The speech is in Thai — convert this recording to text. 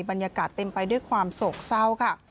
บรรยากาศเต็มไปด้วยความโศกเศร้าค่ะ